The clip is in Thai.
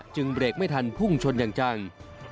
เบรกไม่ทันพุ่งชนอย่างจัง